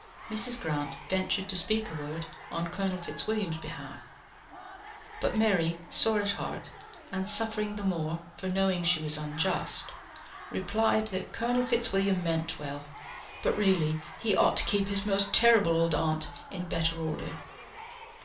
Mrs. Grant ventured to speak a word on Colonel Fitzwilliam's behalf, but Mary, sore at heart and suffering the more for knowing she was unjust, replied that Colonel Fitzwilliam meant well, but really he ought to keep his most terrible old aunt in better order.